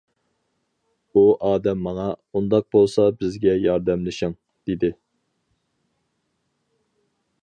ئۇ ئادەم ماڭا:-ئۇنداق بولسا بىزگە ياردەملىشىڭ، دېدى.